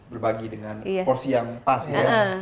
berbagi dengan porsi yang pas gitu ya